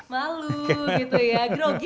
malu gitu ya